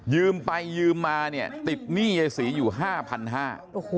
ยืมไปยืมมาเนี่ยติดหนี้ยายสีอยู่ห้าพันห้า